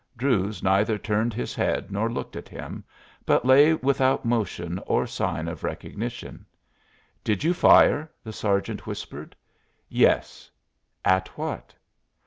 Druse neither turned his head nor looked at him, but lay without motion or sign of recognition. "Did you fire?" the sergeant whispered. "Yes." "At what?"